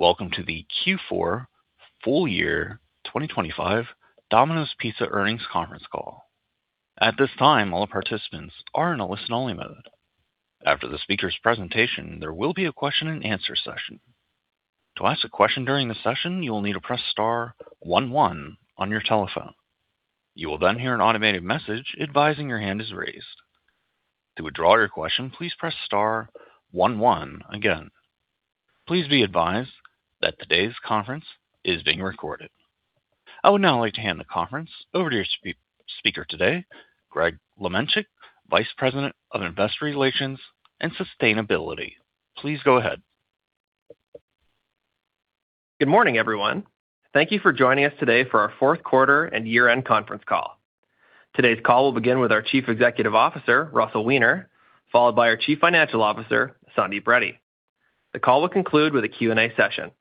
Welcome to the Q4 Full Year 2025 Domino's Pizza Earnings Conference Call. At this time, all participants are in a listen-only mode. After the speaker's presentation, there will be a question-and-answer session. To ask a question during the session, you will need to press star one one on your telephone. You will then hear an automated message advising your hand is raised. To withdraw your question, please press star one one again. Please be advised that today's conference is being recorded. I would now like to hand the conference over to your speaker today, Greg Lemenchick, Vice President of Investor Relations and Sustainability. Please go ahead. Good morning, everyone. Thank you for joining us today for our fourth quarter and year-end conference call. Today's call will begin with our Chief Executive Officer, Russell Weiner, followed by our Chief Financial Officer, Sandeep Reddy. The call will conclude with a Q&A session.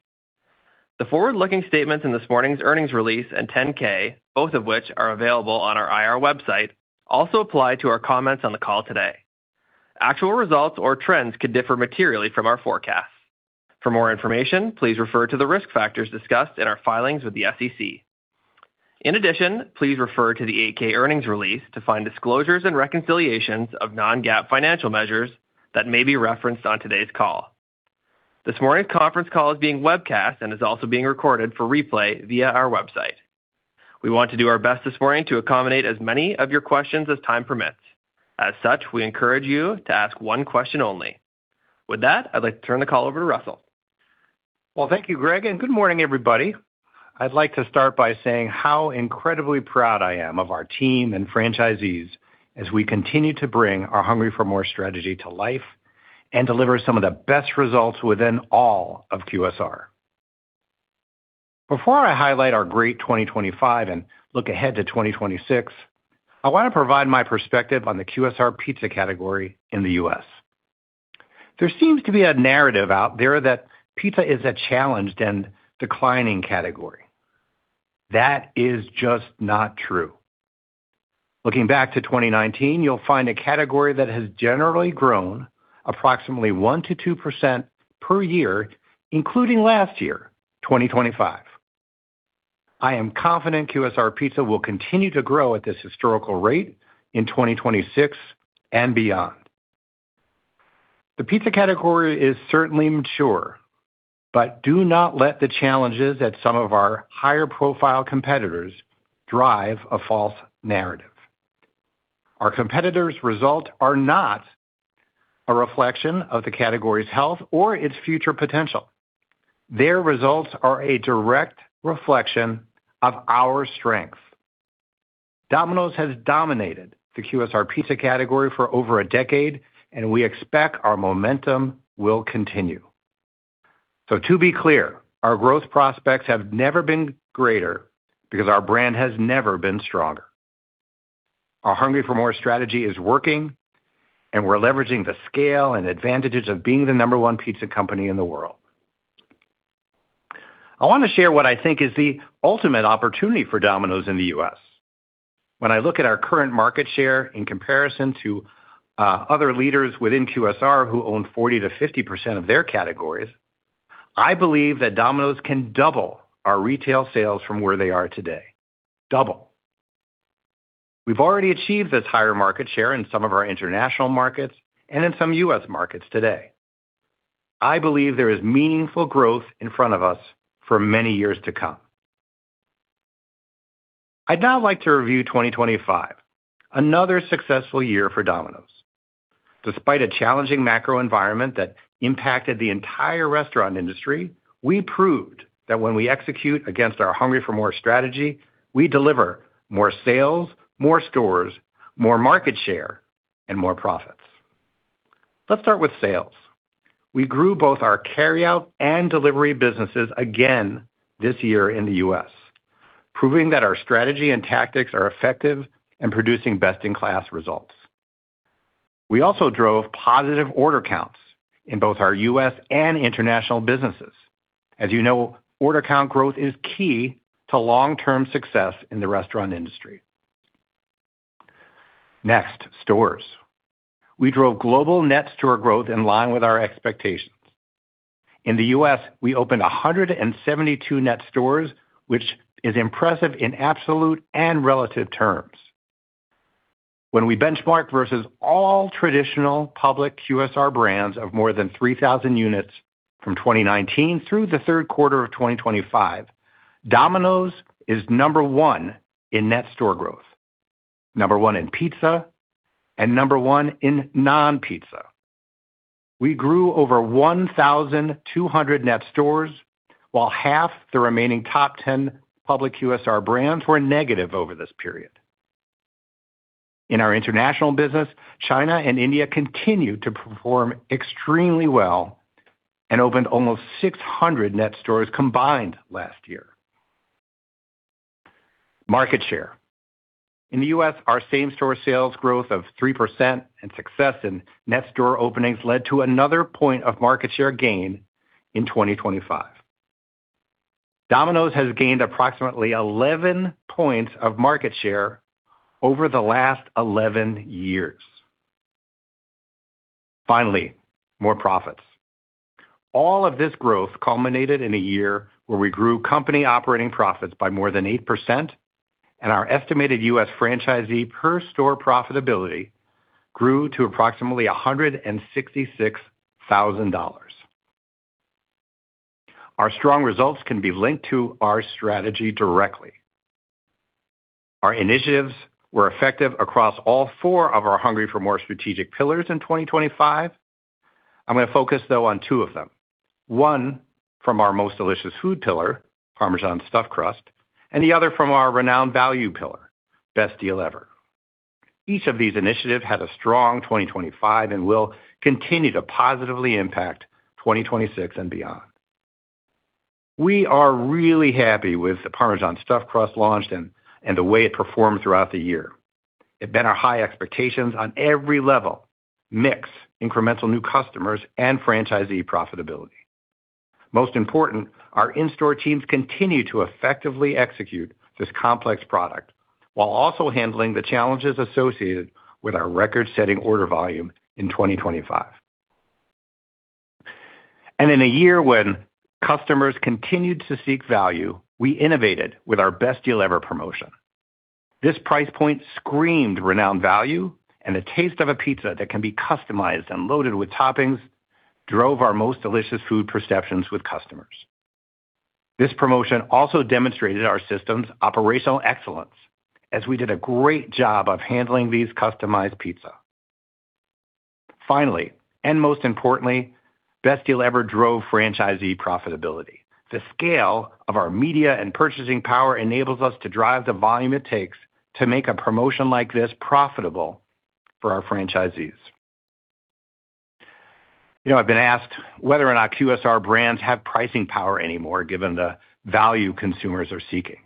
The forward-looking statements in this morning's earnings release and 10-K, both of which are available on our IR website, also apply to our comments on the call today. Actual results or trends could differ materially from our forecasts. For more information, please refer to the risk factors discussed in our filings with the SEC. In addition, please refer to the 8-K earnings release to find disclosures and reconciliations of non-GAAP financial measures that may be referenced on today's call. This morning's conference call is being webcast and is also being recorded for replay via our website. We want to do our best this morning to accommodate as many of your questions as time permits. As such, we encourage you to ask one question only. With that, I'd like to turn the call over to Russell. Well, thank you, Greg. Good morning, everybody. I'd like to start by saying how incredibly proud I am of our team and franchisees as we continue to bring our Hungry for MORE strategy to life and deliver some of the best results within all of QSR. Before I highlight our great 2025 and look ahead to 2026, I want to provide my perspective on the QSR pizza category in the U.S. There seems to be a narrative out there that pizza is a challenged and declining category. That is just not true. Looking back to 2019, you'll find a category that has generally grown approximately 1%-2% per year, including last year, 2025. I am confident QSR pizza will continue to grow at this historical rate in 2026 and beyond. The pizza category is certainly mature, do not let the challenges that some of our higher profile competitors drive a false narrative. Our competitors' results are not a reflection of the category's health or its future potential. Their results are a direct reflection of our strength. Domino's has dominated the QSR pizza category for over a decade, and we expect our momentum will continue. To be clear, our growth prospects have never been greater because our brand has never been stronger. Our Hungry for MORE strategy is working, and we're leveraging the scale and advantages of being the number one pizza company in the world. I want to share what I think is the ultimate opportunity for Domino's in the U.S. When I look at our current market share in comparison to other leaders within QSR, who own 40%-50% of their categories, I believe that Domino's can double our retail sales from where they are today. Double. We've already achieved this higher market share in some of our international markets and in some U.S. markets today. I believe there is meaningful growth in front of us for many years to come. I'd now like to review 2025, another successful year for Domino's. Despite a challenging macro environment that impacted the entire restaurant industry, we proved that when we execute against our Hungry for MORE strategy, we deliver more sales, more stores, more market share, and more profits. Let's start with sales. We grew both our carryout and delivery businesses again this year in the U.S., proving that our strategy and tactics are effective in producing best-in-class results. We also drove positive order counts in both our U.S. and international businesses. As you know, order count growth is key to long-term success in the restaurant industry. Next, stores. We drove global net store growth in line with our expectations. In the U.S., we opened 172 net stores, which is impressive in absolute and relative terms. When we benchmark versus all traditional public QSR brands of more than 3,000 units from 2019 through the third quarter of 2025, Domino's is number one in net store growth, number one in pizza, and number one in non-pizza. We grew over 1,200 net stores, while half the remaining top 10 public QSR brands were negative over this period. In our international business, China and India continued to perform extremely well and opened almost 600 net stores combined last year. Market share. In the U.S., our same-store sales growth of 3% and success in net store openings led to another point of market share gain in 2025. Domino's has gained approximately 11 points of market share over the last 11 years. Finally, more profits. All of this growth culminated in a year where we grew company operating profits by more than 8%, and our estimated U.S. franchisee per store profitability grew to approximately $166,000. Our strong results can be linked to our strategy directly. Our initiatives were effective across all four of our Hungry for MORE strategic pillars in 2025. I'm going to focus, though, on two of them. One, from our most delicious food pillar, Parmesan Stuffed Crust, and the other from our renowned value pillar, Best Deal Ever. Each of these initiatives had a strong 2025 and will continue to positively impact 2026 and beyond. We are really happy with the Parmesan Stuffed Crust launch and the way it performed throughout the year. It met our high expectations on every level: mix, incremental new customers, and franchisee profitability. Most important, our in-store teams continue to effectively execute this complex product while also handling the challenges associated with our record-setting order volume in 2025. In a year when customers continued to seek value, we innovated with our Best Deal Ever promotion. This price point screamed renowned value, and the taste of a pizza that can be customized and loaded with toppings drove our most delicious food perceptions with customers. This promotion also demonstrated our system's operational excellence, as we did a great job of handling these customized pizza. Finally, and most importantly, Best Deal Ever drove franchisee profitability. The scale of our media and purchasing power enables us to drive the volume it takes to make a promotion like this profitable for our franchisees. You know, I've been asked whether or not QSR brands have pricing power anymore, given the value consumers are seeking.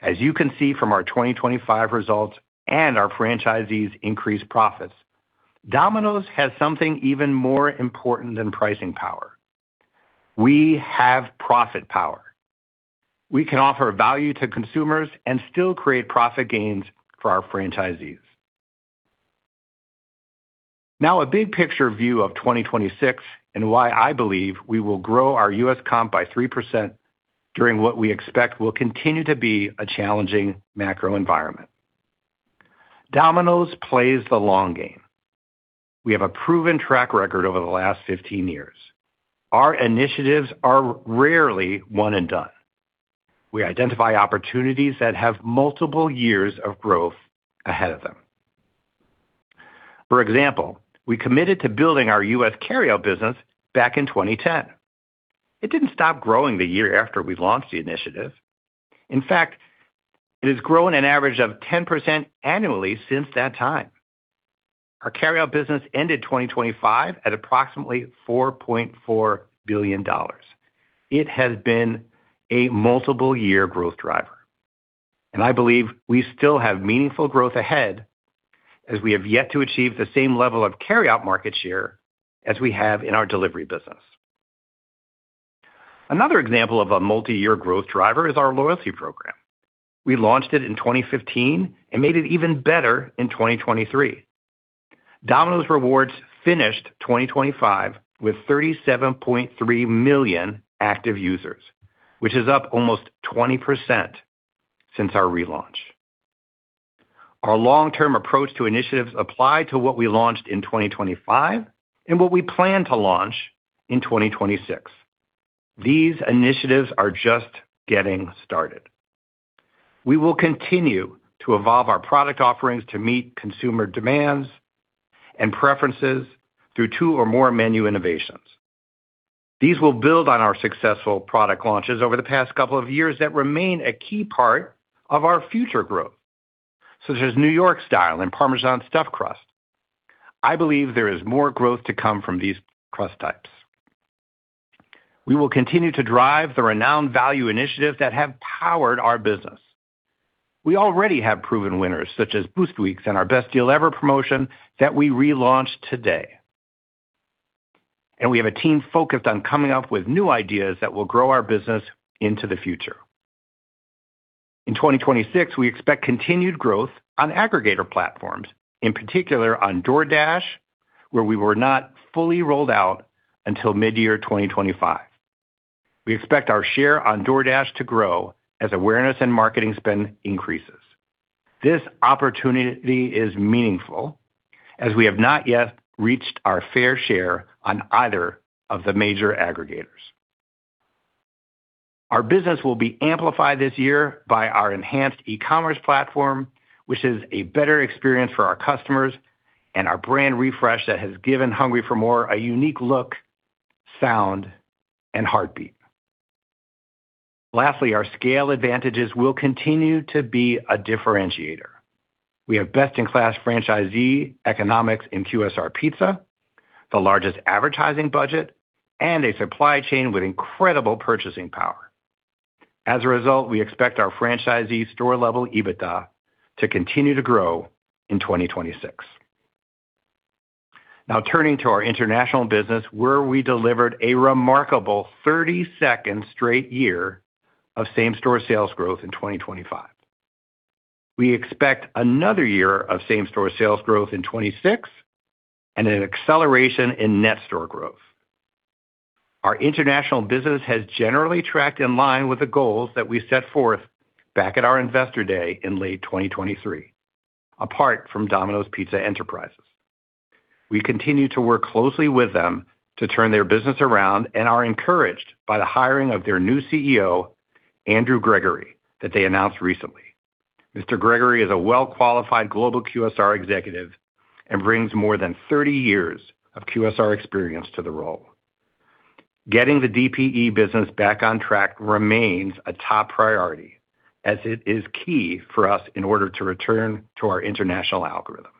As you can see from our 2025 results and our franchisees' increased profits, Domino's has something even more important than pricing power. We have profit power. We can offer value to consumers and still create profit gains for our franchisees. A big picture view of 2026 and why I believe we will grow our U.S. comp by 3% during what we expect will continue to be a challenging macro environment. Domino's plays the long game. We have a proven track record over the last 15 years. Our initiatives are rarely one and done. We identify opportunities that have multiple years of growth ahead of them. For example, we committed to building our U.S. carryout business back in 2010. It didn't stop growing the year after we launched the initiative. In fact, it has grown an average of 10% annually since that time. Our carryout business ended 2025 at approximately $4.4 billion. It has been a multiple year growth driver, and I believe we still have meaningful growth ahead as we have yet to achieve the same level of carryout market share as we have in our delivery business. Another example of a multi-year growth driver is our loyalty program. We launched it in 2015 and made it even better in 2023. Domino's Rewards finished 2025 with 37.3 million active users, which is up almost 20% since our relaunch. Our long-term approach to initiatives apply to what we launched in 2025 and what we plan to launch in 2026. These initiatives are just getting started. We will continue to evolve our product offerings to meet consumer demands and preferences through two or more menu innovations. These will build on our successful product launches over the past couple of years that remain a key part of our future growth, such as New York Style and Parmesan Stuffed Crust. I believe there is more growth to come from these crust types. We will continue to drive the renowned value initiatives that have powered our business. We already have proven winners, such as Boost Weeks and our Best Deal Ever promotion that we relaunched today. We have a team focused on coming up with new ideas that will grow our business into the future. In 2026, we expect continued growth on aggregator platforms, in particular on DoorDash, where we were not fully rolled out until midyear 2025. We expect our share on DoorDash to grow as awareness and marketing spend increases. This opportunity is meaningful as we have not yet reached our fair share on either of the major aggregators. Our business will be amplified this year by our enhanced e-commerce platform, which is a better experience for our customers and our brand refresh that has given Hungry for MORE a unique look, sound, and heartbeat. Our scale advantages will continue to be a differentiator. We have best-in-class franchisee economics in QSR Pizza, the largest advertising budget, and a supply chain with incredible purchasing power. We expect our franchisee store-level EBITDA to continue to grow in 2026. Turning to our international business, where we delivered a remarkable 32nd straight year of same-store sales growth in 2025. We expect another year of same-store sales growth in 2026 and an acceleration in net store growth. Our international business has generally tracked in line with the goals that we set forth back at our Investor Day in late 2023, apart from Domino's Pizza Enterprises. We continue to work closely with them to turn their business around and are encouraged by the hiring of their new CEO, Andrew Gregory, that they announced recently. Mr. Gregory is a well-qualified global QSR executive and brings more than 30 years of QSR experience to the role. Getting the DPE business back on track remains a top priority, as it is key for us in order to return to our international algorithm.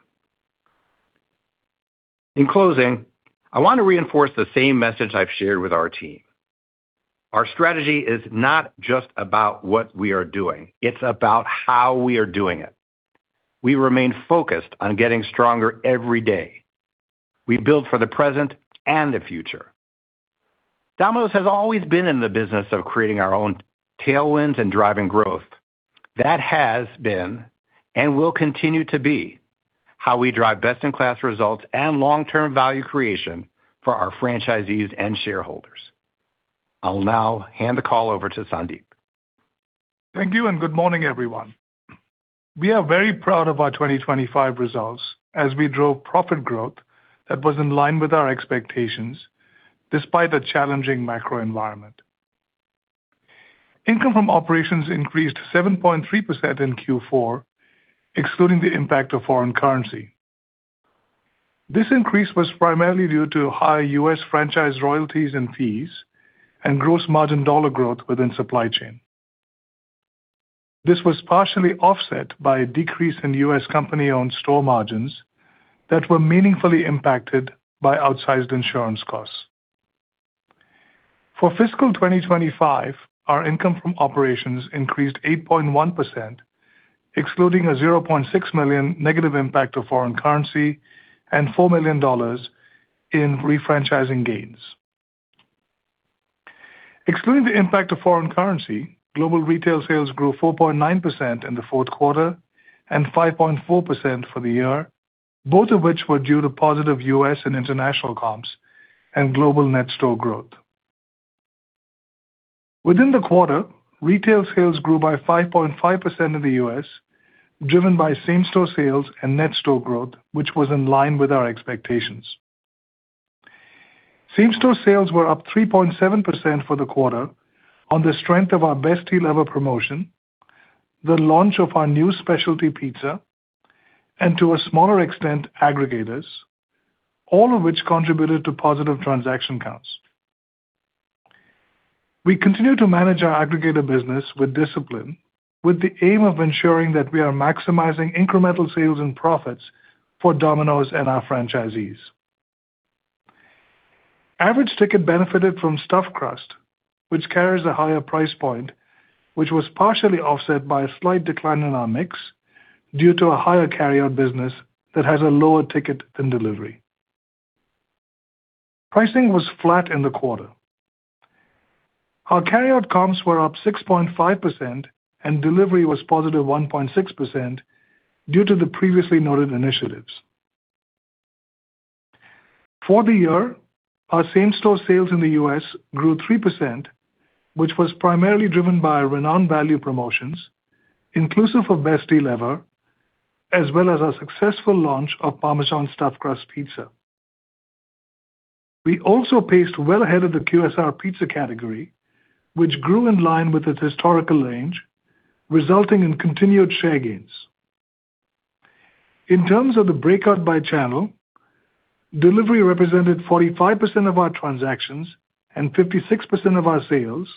In closing, I want to reinforce the same message I've shared with our team. Our strategy is not just about what we are doing, it's about how we are doing it. We remain focused on getting stronger every day. We build for the present and the future. Domino's has always been in the business of creating our own tailwinds and driving growth. That has been, and will continue to be, how we drive best-in-class results and long-term value creation for our franchisees and shareholders. I'll now hand the call over to Sandeep. Thank you, good morning, everyone. We are very proud of our 2025 results as we drove profit growth that was in line with our expectations despite the challenging macro environment. Income from operations increased 7.3% in Q4, excluding the impact of foreign currency. This increase was primarily due to high U.S. franchise royalties and fees and gross margin dollar growth within supply chain. This was partially offset by a decrease in U.S. company-owned store margins that were meaningfully impacted by outsized insurance costs. For fiscal 2025, our income from operations increased 8.1%, excluding a $0.6 million negative impact of foreign currency and $4 million in refranchising gains. Excluding the impact of foreign currency, global retail sales grew 4.9% in the fourth quarter and 5.4% for the year, both of which were due to positive U.S. and international comps and global net store growth. Within the quarter, retail sales grew by 5.5% in the U.S., driven by same-store sales and net store growth, which was in line with our expectations. Same-store sales were up 3.7% for the quarter on the strength of our Best Deal Ever promotion, the launch of our new specialty pizza, and to a smaller extent, aggregators, all of which contributed to positive transaction counts. We continue to manage our aggregator business with discipline, with the aim of ensuring that we are maximizing incremental sales and profits for Domino's and our franchisees. Average ticket benefited from stuffed crust, which carries a higher price point, which was partially offset by a slight decline in our mix due to a higher carryout business that has a lower ticket than delivery. Pricing was flat in the quarter. Our carryout comps were up 6.5% and delivery was positive 1.6% due to the previously noted initiatives. For the year, our same-store sales in the U.S. grew 3%, which was primarily driven by renowned value promotions, inclusive of Best Deal Ever, as well as our successful launch of Parmesan Stuffed Crust pizza. We also paced well ahead of the QSR pizza category, which grew in line with its historical range, resulting in continued share gains. In terms of the breakout by channel, delivery represented 45% of our transactions and 56% of our sales,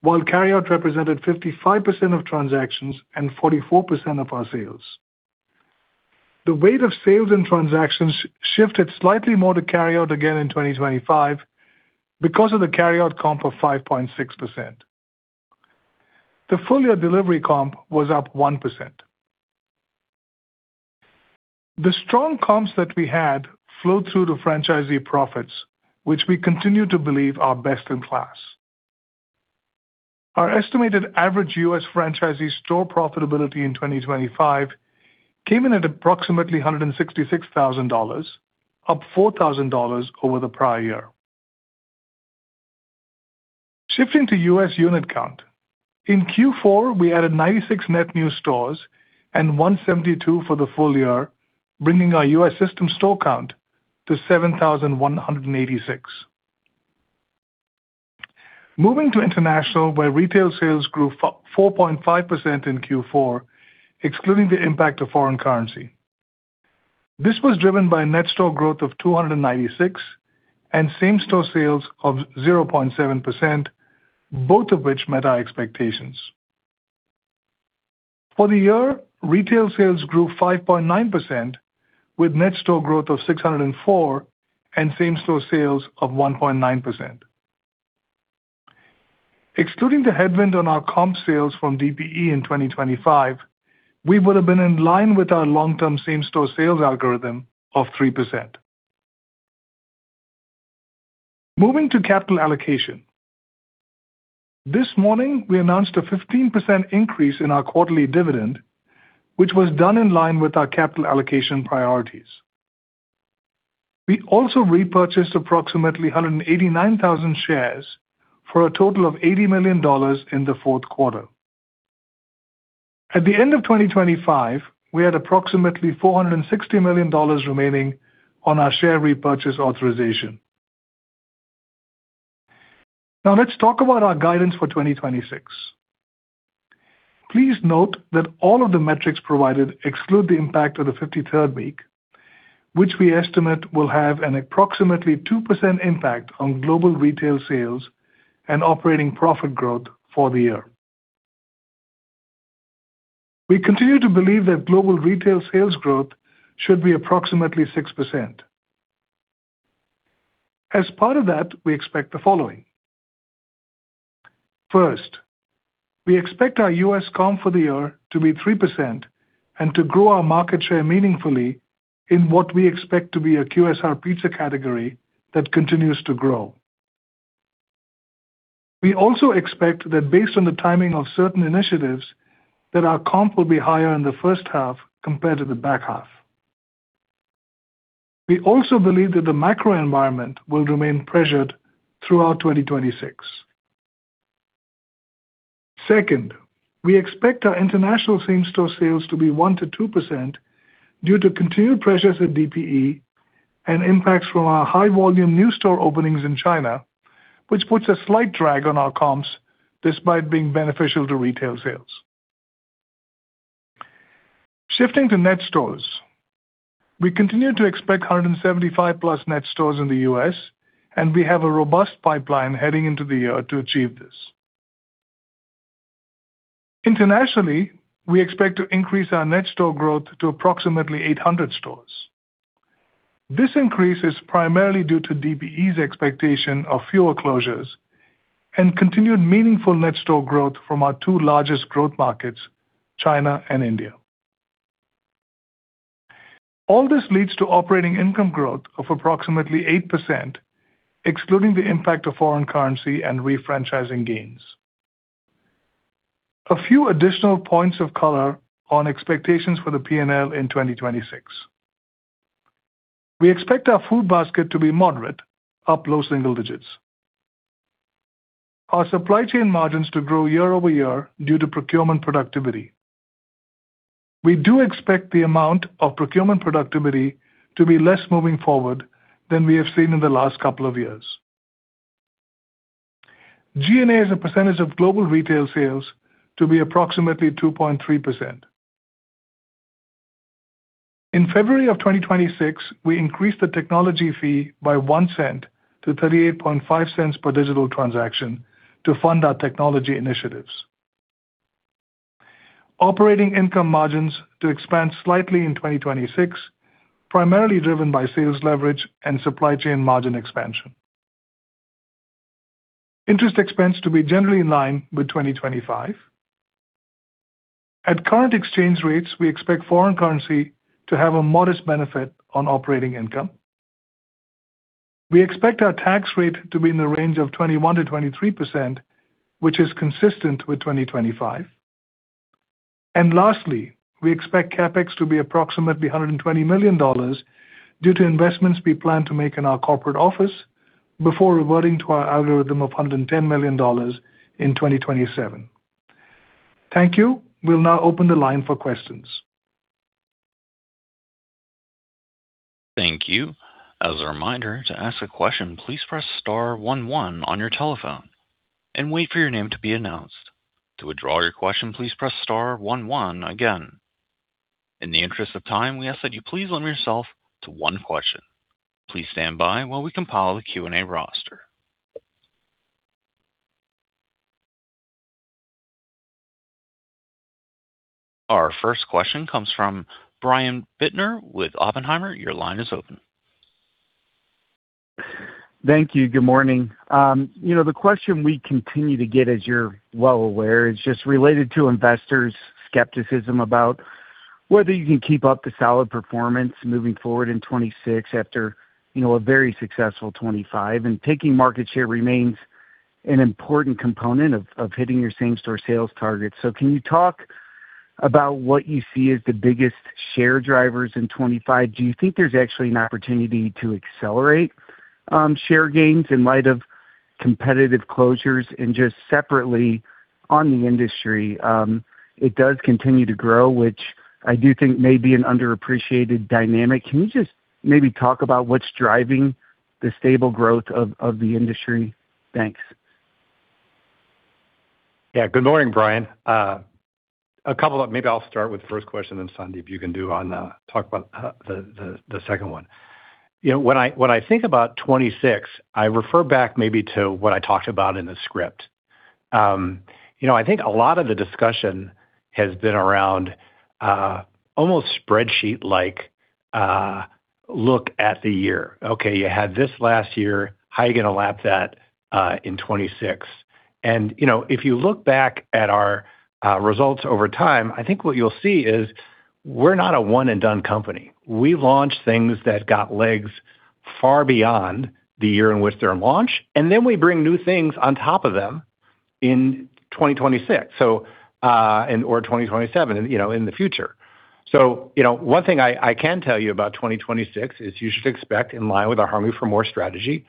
while carryout represented 55% of transactions and 44% of our sales. The weight of sales and transactions shifted slightly more to carryout again in 2025 because of the carryout comp of 5.6%. The full-year delivery comp was up 1%. The strong comps that we had flowed through to franchisee profits, which we continue to believe are best in class. Our estimated average U.S. franchisee store profitability in 2025 came in at approximately $166,000, up $4,000 over the prior year. Shifting to U.S. unit count. In Q4, we added 96 net new stores and 172 for the full year, bringing our U.S. system store count to 7,186. Moving to international, where retail sales grew 4.5% in Q4, excluding the impact of foreign currency. This was driven by net store growth of 296 and same-store sales of 0.7%, both of which met our expectations. For the year, retail sales grew 5.9%, with net store growth of 604 and same-store sales of 1.9%. Excluding the headwind on our comp sales from DPE in 2025, we would have been in line with our long-term same-store sales algorithm of 3%. Moving to capital allocation. This morning, we announced a 15% increase in our quarterly dividend, which was done in line with our capital allocation priorities. We also repurchased approximately 189,000 shares for a total of $80 million in the fourth quarter. At the end of 2025, we had approximately $460 million remaining on our share repurchase authorization. Let's talk about our guidance for 2026. Please note that all of the metrics provided exclude the impact of the 53rd week, which we estimate will have an approximately 2% impact on global retail sales and operating profit growth for the year. We continue to believe that global retail sales growth should be approximately 6%. As part of that, we expect the following: First, we expect our U.S. comp for the year to be 3% and to grow our market share meaningfully in what we expect to be a QSR pizza category that continues to grow. We also expect that based on the timing of certain initiatives, that our comp will be higher in the first half compared to the back half. We also believe that the macro environment will remain pressured throughout 2026. Second, we expect our international same-store sales to be 1%-2% due to continued pressures at DPE and impacts from our high-volume new store openings in China, which puts a slight drag on our comps despite being beneficial to retail sales. Shifting to net stores. We continue to expect 175+ net stores in the U.S., and we have a robust pipeline heading into the year to achieve this. Internationally, we expect to increase our net store growth to approximately 800 stores. This increase is primarily due to DPE's expectation of fewer closures and continued meaningful net store growth from our two largest growth markets, China and India. All this leads to operating income growth of approximately 8%, excluding the impact of foreign currency and refranchising gains. A few additional points of color on expectations for the P&L in 2026. We expect our food basket to be moderate, up low single digits. Our supply chain margins to grow year-over-year due to procurement productivity. We do expect the amount of procurement productivity to be less moving forward than we have seen in the last couple of years. G&A as a percentage of global retail sales to be approximately 2.3%. In February 2026, we increased the technology fee by $0.01-$0.385 per digital transaction to fund our technology initiatives. Operating income margins to expand slightly in 2026, primarily driven by sales leverage and supply chain margin expansion. Interest expense to be generally in line with 2025. At current exchange rates, we expect foreign currency to have a modest benefit on operating income. We expect our tax rate to be in the range of 21%-23%, which is consistent with 2025. Lastly, we expect CapEx to be approximately $120 million due to investments we plan to make in our corporate office before reverting to our algorithm of $110 million in 2027. Thank you. We'll now open the line for questions. Thank you. As a reminder, to ask a question, please press star one one on your telephone and wait for your name to be announced. To withdraw your question, please press star one one again. In the interest of time, we ask that you please limit yourself to one question. Please stand by while we compile the Q&A roster. Our first question comes from Brian Bittner with Oppenheimer. Your line is open. Thank you. Good morning. You know, the question we continue to get, as you're well aware, is just related to investors' skepticism about whether you can keep up the solid performance moving forward in 2026 after, you know, a very successful 2025, and taking market share remains an important component of, of hitting your same-store sales targets. Can you talk about what you see as the biggest share drivers in 2025? Do you think there's actually an opportunity to accelerate share gains in light of competitive closures? Just separately on the industry, it does continue to grow, which I do think may be an underappreciated dynamic. Can you just maybe talk about what's driving the stable growth of, of the industry? Thanks. Yeah. Good morning, Brian. A couple of-- maybe I'll start with the first question, then Sandeep, you can do on, talk about, the, the, the second one. You know, when I, when I think about 2026, I refer back maybe to what I talked about in the script. You know, I think a lot of the discussion has been around, almost spreadsheet-like, look at the year. Okay, you had this last year. How are you going to lap that, in 2026? You know, if you look back at our, results over time, I think what you'll see is we're not a one-and-done company. We've launched things that got legs far beyond the year in which they're in launch, and then we bring new things on top of them in 2026, so, and or 2027, and, you know, in the future. You know, one thing I, I can tell you about 2026 is you should expect, in line with our Hungry for MORE strategy,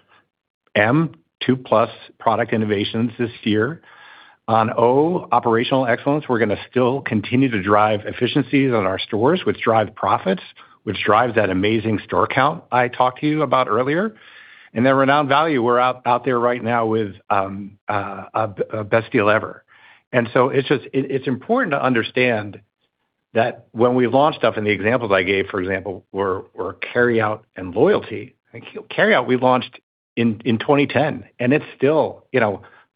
and 2+ product innovations this year. On operational excellence, we're gonna still continue to drive efficiencies on our stores, which drive profits, which drives that amazing store count I talked to you about earlier. Then renowned value, we're out, out there right now with a Best Deal Ever. So it's important to understand that when we launch stuff, and the examples I gave, for example, were, were carryout and loyalty. Carryout, we launched in, in 2010, and it's still, you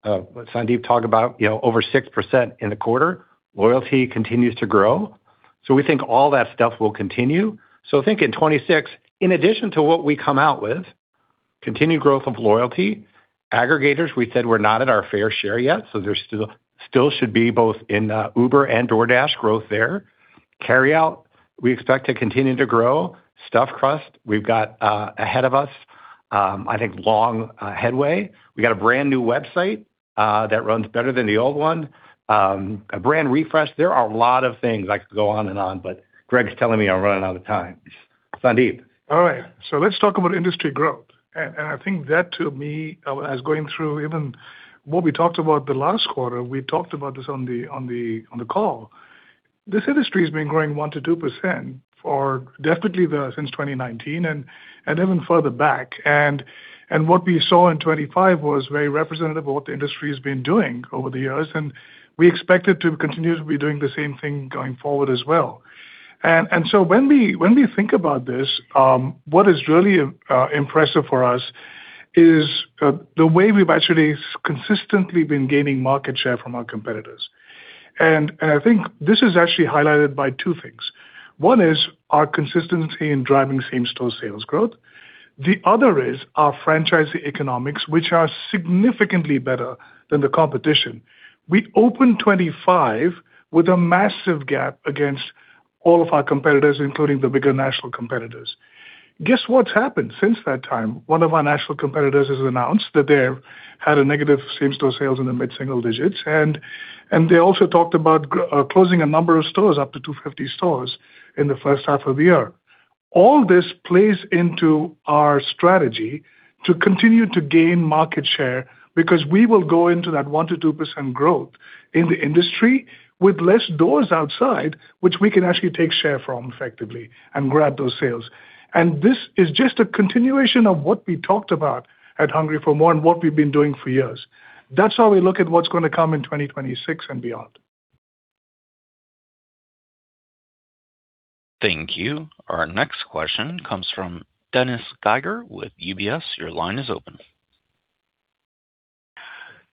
know, Sandeep talked about, you know, over 6% in the quarter. Loyalty continues to grow. So we think all that stuff will continue. So I think in 2026, in addition to what we come out with, continued growth of loyalty, aggregators, we said we're not at our fair share yet, so there still, still should be both in Uber and DoorDash growth there. Carryout, we expect to continue to grow. Stuffed Crust, we've got ahead of us, I think long headway. We got a brand-new website that runs better than the old one, a brand refresh. There are a lot of things. I could go on and on, but Greg's telling me I'm running out of time. Sandeep? All right, let's talk about industry growth. I think that to me, as going through even what we talked about the last quarter, we talked about this on the call. This industry has been growing 1%-2% for definitely since 2019 and even further back. What we saw in 2025 was very representative of what the industry has been doing over the years, and we expect it to continue to be doing the same thing going forward as well. When we think about this, what is really impressive for us is the way we've actually consistently been gaining market share from our competitors. I think this is actually highlighted by two things. One is our consistency in driving same-store sales growth. The other is our franchisee economics, which are significantly better than the competition. We opened 2025 with a massive gap against all of our competitors, including the bigger national competitors. Guess what's happened since that time? One of our national competitors has announced that they've had a negative same-store sales in the mid-single digits, they also talked about closing a number of stores, up to 250 stores, in the first half of the year. All this plays into our strategy to continue to gain market share, because we will go into that 1%-2% growth in the industry with less doors outside, which we can actually take share from effectively and grab those sales. This is just a continuation of what we talked about at Hungry for MORE and what we've been doing for years. That's how we look at what's gonna come in 2026 and beyond. Thank you. Our next question comes from Dennis Geiger with UBS. Your line is open.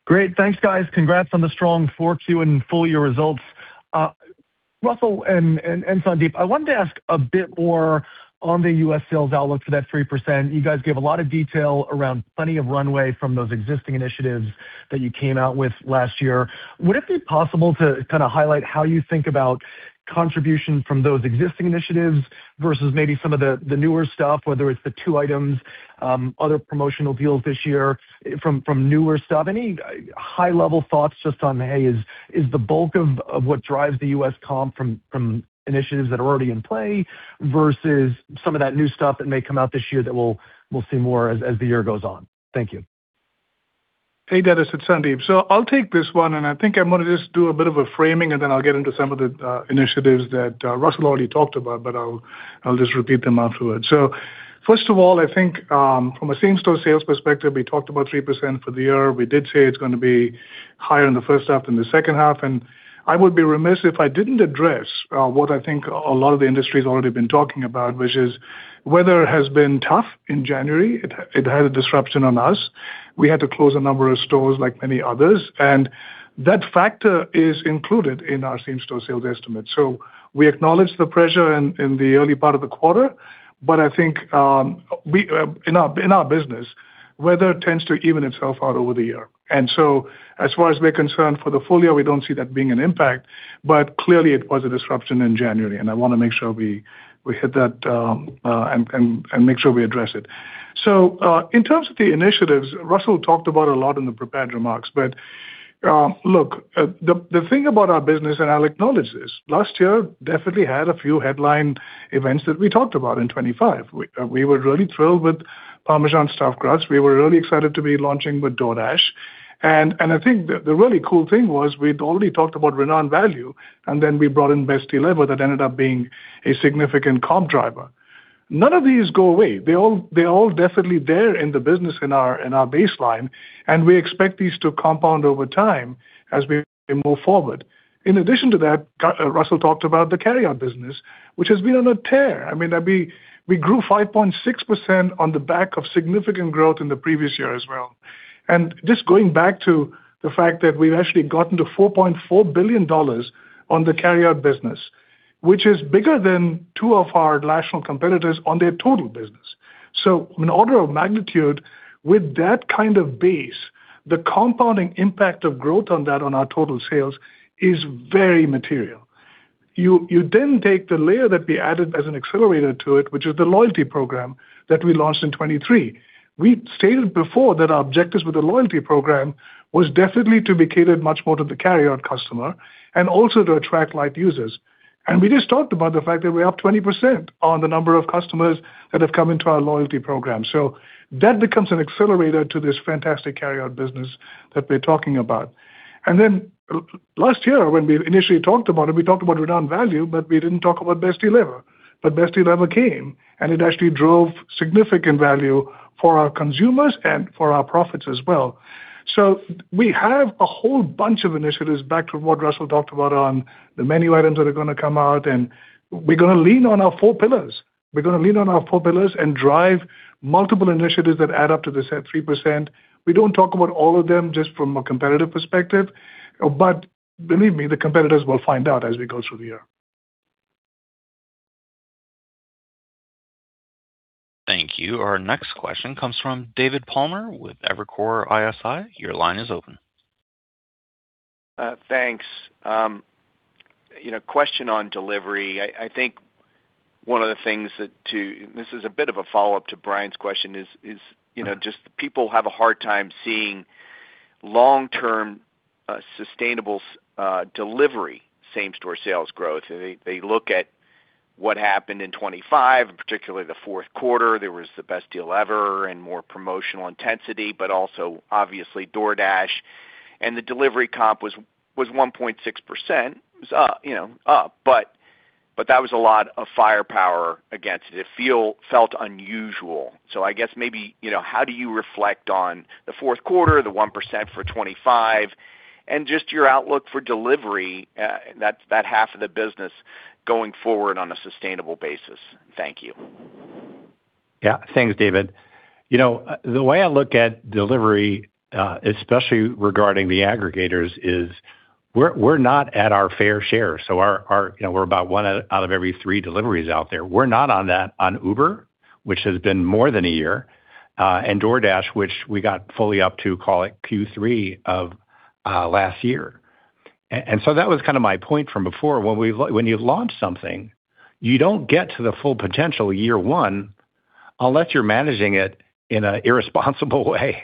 Great, thanks, guys. Congrats on the strong Q4 and full year results. Russell and Sandeep, I wanted to ask a bit more on the U.S. sales outlook for that 3%. You guys gave a lot of detail around plenty of runway from those existing initiatives that you came out with last year. Would it be possible to kind of highlight how you think about contribution from those existing initiatives versus maybe some of the newer stuff, whether it's the two items, other promotional deals this year from newer stuff? Any high-level thoughts just on, hey, is the bulk of what drives the U.S. comp from initiatives that are already in play versus some of that new stuff that may come out this year that we'll see more as the year goes on? Thank you. Hey, Dennis, it's Sandeep. I'll take this one, and I think I'm gonna just do a bit of a framing, and then I'll get into some of the initiatives that Russell already talked about, I'll just repeat them afterwards. First of all, I think, from a same-store sales perspective, we talked about 3% for the year. We did say it's gonna be higher in the first half than the second half, I would be remiss if I didn't address what I think a lot of the industry has already been talking about, which is weather has been tough in January. It had a disruption on us. We had to close a number of stores like many others, that factor is included in our same-store sales estimate. We acknowledge the pressure in, in the early part of the quarter, but I think we in our, in our business, weather tends to even itself out over the year. As far as we're concerned, for the full year, we don't see that being an impact, but clearly it was a disruption in January, and I wanna make sure we, we hit that, and, and, and make sure we address it. In terms of the initiatives, Russell talked about a lot in the prepared remarks, but look, the, the thing about our business, and I'll acknowledge this, last year definitely had a few headline events that we talked about in 2025. We were really thrilled with Parmesan Stuffed Crust. We were really excited to be launching with DoorDash. I think the, the really cool thing was we'd already talked about return value, and then we brought in Best Deal Ever, that ended up being a significant comp driver. None of these go away. They all, they're all definitely there in the business in our, in our baseline, and we expect these to compound over time as we move forward. In addition to that, Russell talked about the carryout business, which has been on a tear. I mean, I mean, we grew 5.6% on the back of significant growth in the previous year as well. Just going back to the fact that we've actually gotten to $4.4 billion on the carryout business, which is bigger than two of our national competitors on their total business.... In order of magnitude, with that kind of base, the compounding impact of growth on that on our total sales is very material. You, you then take the layer that we added as an accelerator to it, which is the loyalty program that we launched in 2023. We stated before that our objectives with the loyalty program was definitely to be catered much more to the carryout customer and also to attract light users. We just talked about the fact that we're up 20% on the number of customers that have come into our loyalty program. That becomes an accelerator to this fantastic carryout business that we're talking about. Then last year, when we initially talked about it, we talked about return value, but we didn't talk about Best Deal Ever. Best Deal Ever came, and it actually drove significant value for our consumers and for our profits as well. We have a whole bunch of initiatives back to what Russell talked about on the menu items that are going to come out, and we're going to lean on our four pillars. We're going to lean on our four pillars and drive multiple initiatives that add up to the said 3%. We don't talk about all of them just from a competitive perspective, believe me, the competitors will find out as we go through the year. Thank you. Our next question comes from David Palmer with Evercore ISI. Your line is open. Thanks, question on delivery. I, I think one of the things that to-- this is a bit of a follow-up to Brian's question, is, is, you know, just people have a hard time seeing long-term, sustainable, delivery, same-store sales growth. They, they look at what happened in 2025, and particularly the fourth quarter. There was the Best Deal Ever and more promotional intensity, but also obviously, DoorDash and the delivery comp was, was 1.6%. It was, you know, up, but, but that was a lot of firepower against it. It felt unusual. So I guess maybe, you know, how do you reflect on the fourth quarter, the 1% for 2025, and just your outlook for delivery, that, that half of the business going forward on a sustainable basis? Thank you Yeah. Thanks, David. You know, the way I look at delivery, especially regarding the aggregators, is we're, we're not at our fair share, so our. You know, we're about one out of every three deliveries out there. We're not on that on Uber, which has been more than a year, and DoorDash, which we got fully up to, call it Q3 of last year. That was kind of my point from before. When you launch something, you don't get to the full potential year one unless you're managing it in an irresponsible way.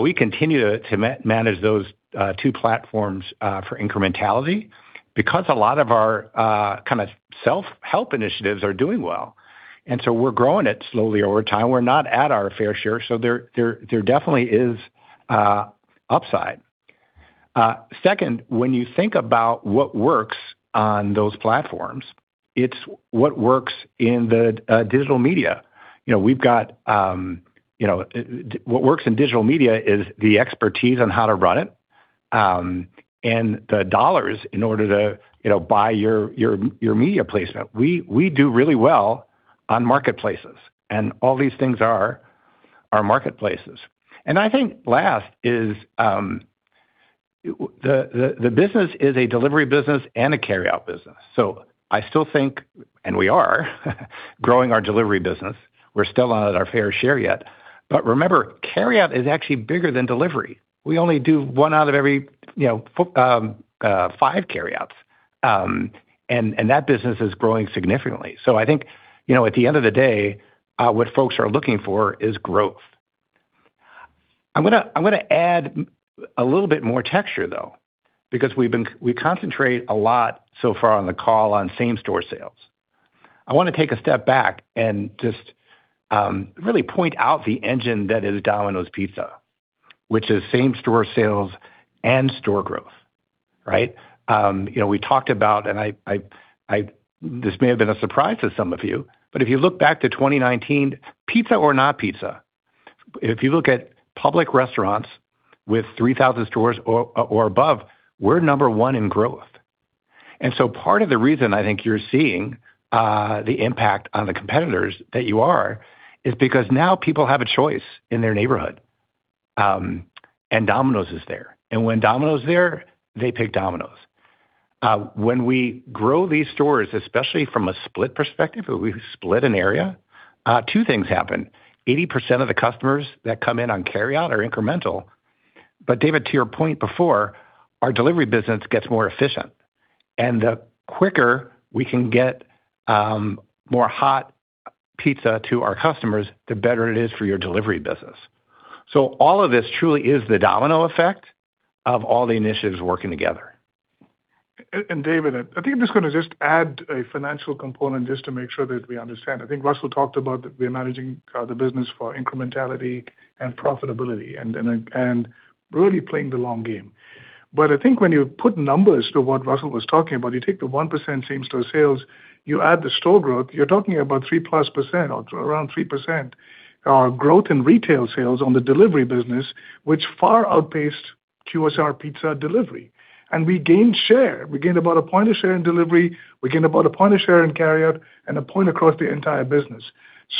We continue to manage those, two platforms, for incrementality because a lot of our, kind of self-help initiatives are doing well, and so we're growing it slowly over time. We're not at our fair share, so there definitely is, upside. Second, when you think about what works on those platforms, it's what works in the digital media. You know, we've got, you know. What works in digital media is the expertise on how to run it, and the dollars in order to, you know, buy your, your, your media placement. We, we do really well on marketplaces. All these things are our marketplaces. I think last is the business is a delivery business and a carryout business. I still think, and we are growing our delivery business. We're still not at our fair share yet. Remember, carryout is actually bigger than delivery. We only do one out of every, you know, five carryouts, and that business is growing significantly. I think, you know, at the end of the day, what folks are looking for is growth. I'm gonna add a little bit more texture, though, because we concentrate a lot so far on the call on same-store sales. I want to take a step back and just really point out the engine that is Domino's Pizza, which is same-store sales and store growth, right? You know, we talked about and This may have been a surprise to some of you, if you look back to 2019, pizza or not pizza, if you look at public restaurants with 3,000 stores or, or above, we're number one in growth. Part of the reason I think you're seeing the impact on the competitors that you are, is because now people have a choice in their neighborhood, and Domino's is there. When Domino's is there, they pick Domino's. When we grow these stores, especially from a split perspective, we split an area, two things happen: 80% of the customers that come in on carryout are incremental. David, to your point before, our delivery business gets more efficient, and the quicker we can get more hot pizza to our customers, the better it is for your delivery business. All of this truly is the domino effect of all the initiatives working together. David, I think I'm just gonna just add a financial component just to make sure that we understand. I think Russell talked about that we are managing the business for incrementality and profitability and really playing the long game. I think when you put numbers to what Russell was talking about, you take the 1% same-store sales, you add the store growth, you're talking about 3%+ or around 3% growth in retail sales on the delivery business, which far outpaced QSR pizza delivery. We gained share. We gained about a point of share in delivery, we gained about a point of share in carryout, and a point across the entire business.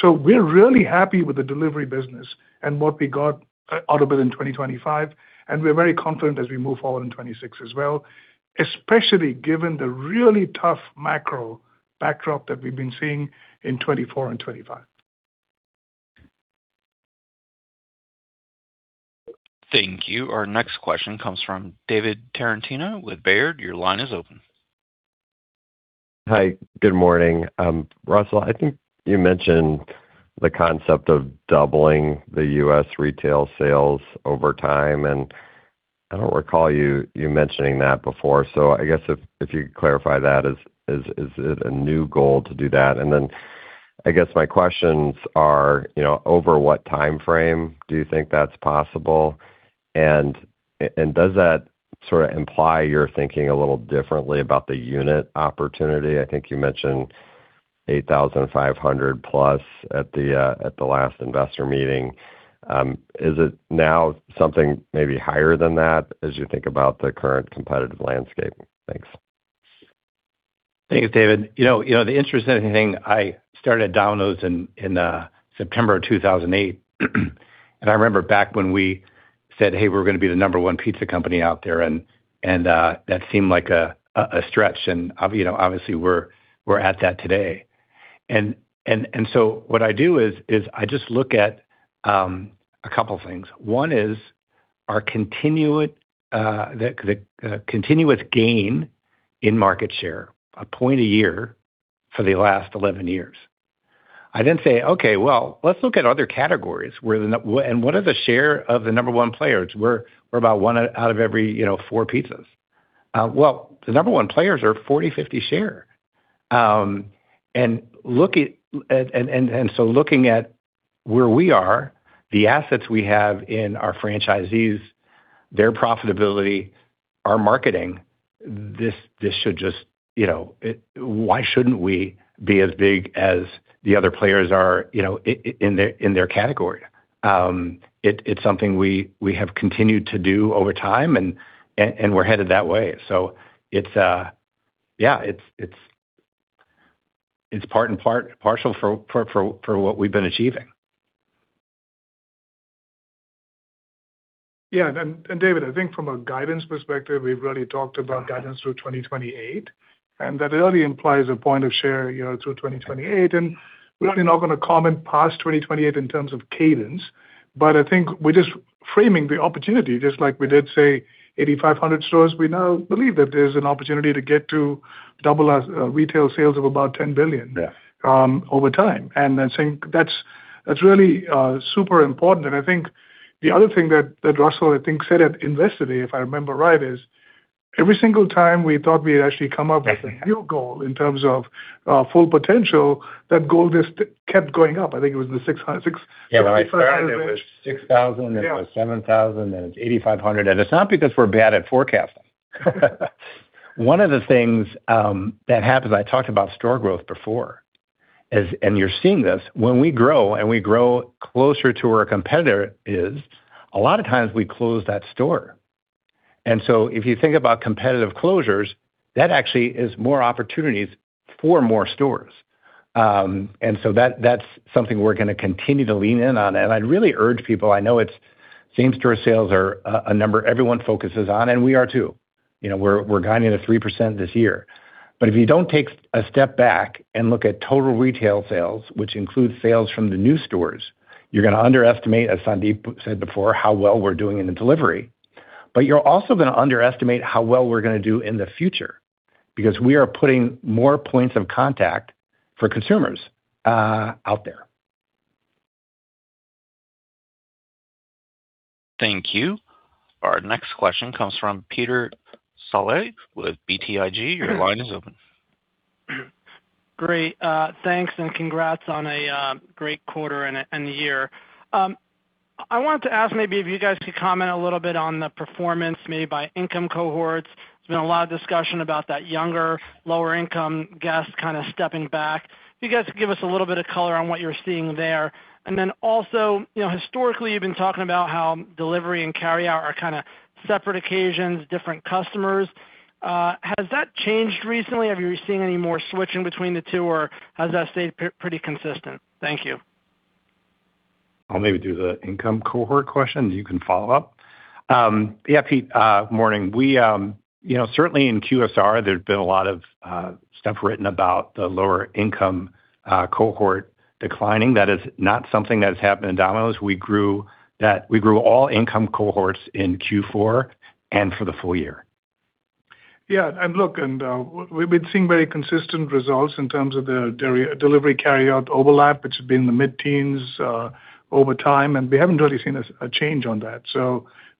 We're really happy with the delivery business and what we got out of it in 2025, and we're very confident as we move forward in 2026 as well, especially given the really tough macro backdrop that we've been seeing in 2024 and 2025. Thank you. Our next question comes from David Tarantino with Baird. Your line is open. Hi, good morning. Russell, I think you mentioned the concept of doubling the U.S. retail sales over time, I don't recall you mentioning that before. I guess if you could clarify that, is it a new goal to do that? Then I guess my questions are, you know, over what time frame do you think that's possible? Does that sort of imply you're thinking a little differently about the unit opportunity? I think you mentioned 8,500+ at the last investor meeting. Is it now something maybe higher than that as you think about the current competitive landscape? Thanks. Thank you, David. You know, you know, the interesting thing, I started Domino's in, in September of 2008. I remember back when we said, "Hey, we're gonna be the number one pizza company out there," and, and that seemed like a, stretch. You know, obviously, we're, we're at that today. What I do is, is I just look at a couple of things. One is our continued, the continuous gain in market share, a point a year for the last 11 years. I say, "Okay, well, let's look at other categories where and what are the share of the number one players?" We're, we're about one out of every, you know, four pizzas. Well, the number one players are 40, 50 share. Look at... Looking at where we are, the assets we have in our franchisees, their profitability, our marketing, this, this should just, you know, why shouldn't we be as big as the other players are, you know, in their, in their category? It's something we, we have continued to do over time, and we're headed that way. Yeah, it's part and part- partial for, what we've been achieving. Yeah, and David, I think from a guidance perspective, we've already talked about guidance through 2028, and that really implies a point of share, you know, through 2028. We're really not gonna comment past 2028 in terms of cadence, but I think we're just framing the opportunity, just like we did say, 8,500 stores. We now believe that there's an opportunity to get to double as retail sales of about $10 billion- Yeah... over time. I think that's, that's really, super important. I think the other thing that, that Russell, I think, said at Investor Day, if I remember right, is every single time we thought we had actually come up with a new goal in terms of, full potential, that goal just kept going up. Yeah, when I started, it was 6,000, it was 7,000, and it's 8,500, and it's not because we're bad at forecasting. One of the things that happens, I talked about store growth before, is, and you're seeing this, when we grow and we grow closer to where a competitor is, a lot of times we close that store. So if you think about competitive closures, that actually is more opportunities for more stores. So that, that's something we're gonna continue to lean in on. I'd really urge people, I know it's same-store sales are a, a number everyone focuses on, and we are too. You know, we're, we're guiding to 3% this year. If you don't take a step back and look at total retail sales, which includes sales from the new stores, you're gonna underestimate, as Sandeep said before, how well we're doing in the delivery. You're also gonna underestimate how well we're gonna do in the future, because we are putting more points of contact for consumers out there. Thank you. Our next question comes from Peter Saleh with BTIG. Your line is open. Great, thanks, and congrats on a great quarter and, and year. I wanted to ask maybe if you guys could comment a little bit on the performance made by income cohorts. There's been a lot of discussion about that younger, lower income guests kind of stepping back. You guys give us a little bit of color on what you're seeing there. Then also, you know, historically, you've been talking about how delivery and carryout are kind of separate occasions, different customers. Has that changed recently? Have you seen any more switching between the two, or has that stayed pretty consistent? Thank you. I'll maybe do the income cohort question, you can follow up. Yeah, Pete, morning. We, you know, certainly in QSR, there's been a lot of stuff written about the lower income cohort declining. That is not something that has happened in Domino's. We grew that-- we grew all income cohorts in Q4 and for the full year. Look, we've been seeing very consistent results in terms of the delivery, carryout overlap, which has been in the mid-teens over time, and we haven't really seen a change on that.